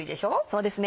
そうですね。